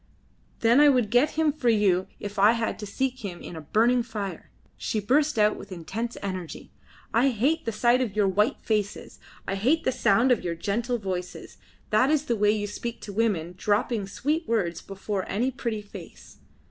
"Then I would get him for you if I had to seek him in a burning fire," she burst out with intense energy. "I hate the sight of your white faces. I hate the sound of your gentle voices. That is the way you speak to women, dropping sweet words before any pretty face.